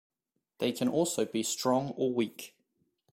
They can also be strong or weak.